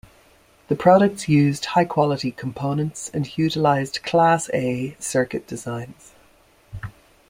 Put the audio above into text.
The products used high-quality components and utilized Class-A circuit designs.